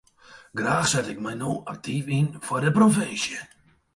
Graach set ik my no aktyf yn foar de provinsje.